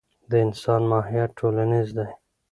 د انسان ماهیت ټولنیز دی.